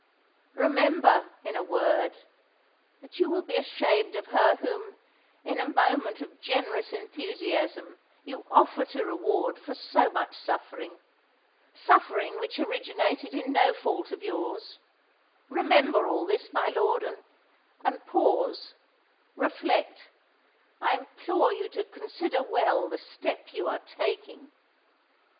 Remember, in a word, that you will be ashamed of her whom, in a moment of generous enthusiasm, you offer to reward for so much suffering—suffering which originated in no fault of yours:—remember all this, my lord—and pause—reflect—I implore you to consider well the step you are taking!"